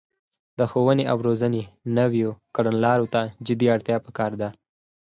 د ښوونې او روزنې نويو کړنلارو ته جدي اړتیا ده